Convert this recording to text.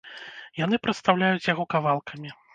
Яны прадстаўляюць яго кавалкамі.